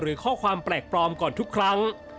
ไม่ต้องทำแปลกปลอมก่อนทุกครั้ง